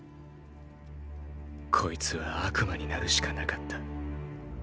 こいつは悪魔になるしかなかった。